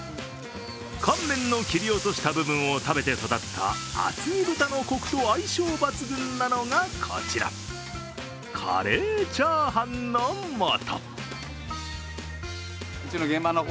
乾麺の切り落とした部分を食べて育ったあつぎ豚のコクと相性抜群なのがこちら、カレー炒飯の素。